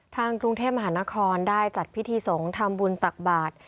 ทางกรุงเทพมหานครได้จัดพิธีสงฆ์ทำบุญตักบาท